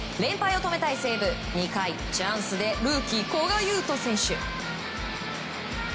連敗を止めたい西武２回、チャンスでルーキー、古賀悠斗選手。